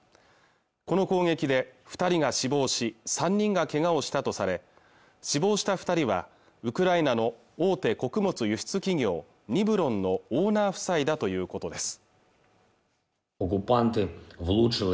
この攻撃で二人が死亡し３人がけがをしたとされ死亡した二人はウクライナの大手穀物輸出企業ニブロンのオーナー夫妻だということです